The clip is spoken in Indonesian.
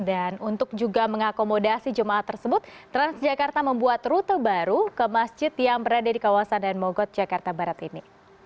dan untuk juga mengakomodasi jum'at tersebut transjakarta membuat rute baru ke masjid yang berada di kawasan daan mogot jakarta barat ini